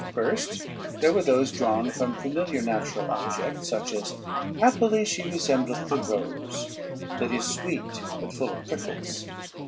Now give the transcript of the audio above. First, there were those drawn from familiar natural objects, such as, "Happily she resembleth the rose, that is sweet but full of prickles."